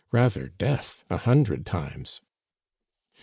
Rather death, a hundred times